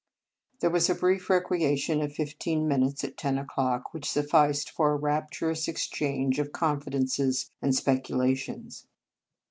There was a brief recreation of fifteen minutes at ten o clock, which sufficed for a rapturous exchange of confidences and speculations.